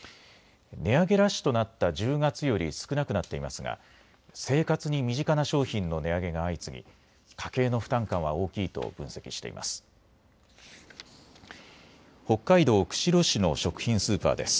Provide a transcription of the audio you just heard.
値上げラッシュとなった１０月より少なくなっていますが生活に身近な商品の値上げが相次ぎ、家計の負担感は大きいと分析しています。